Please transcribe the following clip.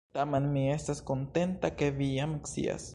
Tamen mi estas kontenta, ke vi jam scias.